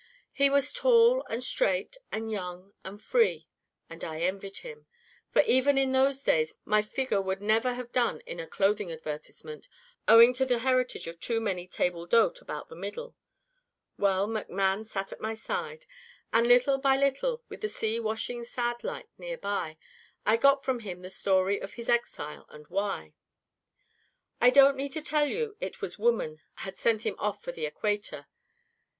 He was tall and straight and young and free, and I envied him, for even in those days my figure would never have done in a clothing advertisement, owing to the heritage of too many table d'hôtes about the middle. Well, McMann sat at my side, and little by little, with the sea washing sad like near by, I got from him the story of his exile, and why. "I don't need to tell you it was woman had sent him off for the equator.